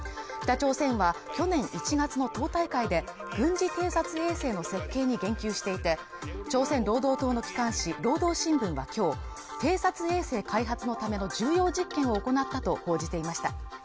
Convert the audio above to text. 北朝鮮は去年１月の党大会で軍事偵察衛星の設計に言及していて朝鮮労働党の機関紙労働新聞は今日偵察衛星開発のための重要実験を行ったと報じていました